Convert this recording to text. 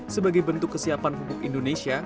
sebagai bentuk kesiapan pupuk indonesia